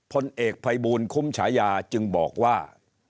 พลเอกภัยบูลคุ้มฉายาจึงบอกว่า